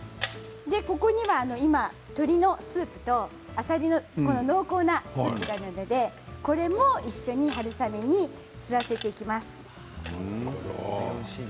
ここに今、鶏のスープとあさりの濃厚なスープがあるのでこれも一緒に春雨に吸わせていきます。